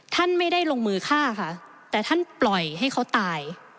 ท่านไม่ได้ลงมือฆ่าค่ะแต่ท่านปล่อยให้เขาตาย